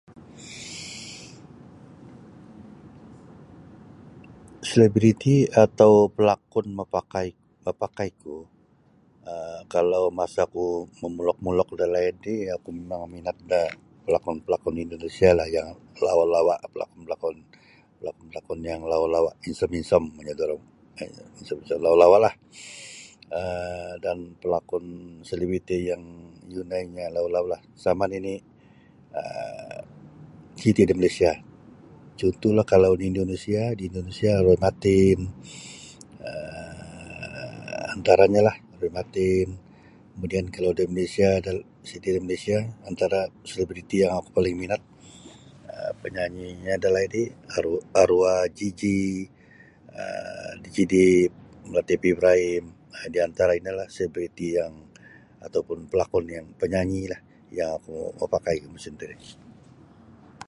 Selebriti atau pelakon mapakai mapakaiku um kalau masa oku momulok-mulok dalaid ri oku mimang minat da pelakon-pelakon Indonesia yang lawa-lawa pelakon pelakon yang lawa-lawa hinsom-hinsom kanyu da urang hinsom-hinsom lawa-lawalah um dan pelakon selebriti yang yunainyo yang lawa-lawalah sama nini' um siti da Malaysia cuntuhlah kalau di Indonesia di Indonesia Roy Martin um antaranyolah Roy Martin kalau da Malaysia siti da Malaysia antara selebriti yang oku paling minat panyanyinyo dalaid ri arwah Jiji, DJ Dave, Latif Ibrahim um di antara inolah selebriti atau pun pelakon yang penyanyilah yang oku makapakai musim tiri.